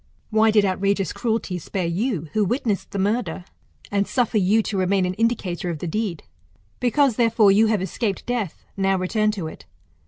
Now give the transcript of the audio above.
Why did outrageous cruelty spare you, who witnessed the murder, and suffer you to remain an indicator of the deed ? Because, therefore, you have escaped death, now return to it.